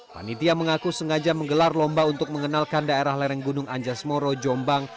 panitia mengaku sengaja menggelar lomba untuk mengenalkan daerah lareng gunung anjalsmoro jombang